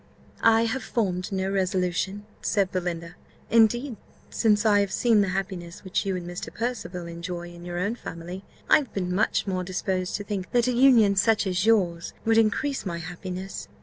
"I have formed no such resolution," said Belinda. "Indeed, since I have seen the happiness which you and Mr. Percival enjoy in your own family, I have been much more disposed to think that a union that a union such as yours, would increase my happiness.